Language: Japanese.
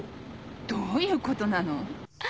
どういうことなの？